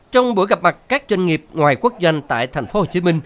trong buổi gặp mặt các doanh nghiệp ngoài quốc doanh tại tp hcm